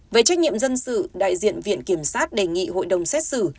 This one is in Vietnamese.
về trách nhiệm dân sự đại diện viện kiểm sát đề nghị hội đồng xét xử